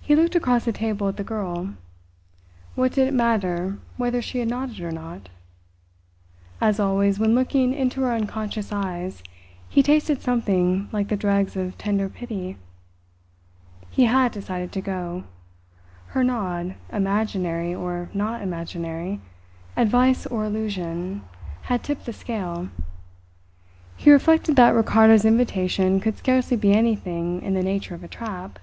He looked across the table at the girl. What did it matter whether she had nodded or not? As always when looking into her unconscious eyes, he tasted something like the dregs of tender pity. He had decided to go. Her nod, imaginary or not imaginary, advice or illusion, had tipped the scale. He reflected that Ricardo's invitation could scarcely be anything in the nature of a trap.